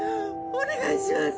お願いします！